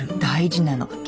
大事なの。